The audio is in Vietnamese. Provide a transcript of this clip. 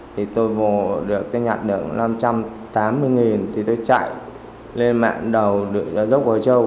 thì tôi nhận được năm trăm tám mươi thì tôi chạy lên mạng đầu dốc hồ châu